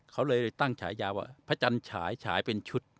เขาเลยตั้งฉายาว่าพระจันทร์ฉายฉายเป็นชุด